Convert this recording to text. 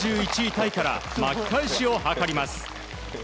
タイから巻き返しを図ります。